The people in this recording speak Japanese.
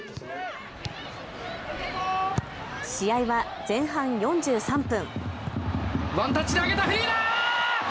試合は前半４３分。